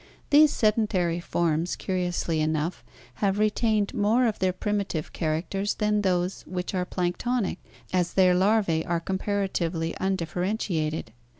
These sedentary forms, curiously enough, have retained more of their primitive characters than those which are planktonic, as their larvae are comparatively undifferentiated.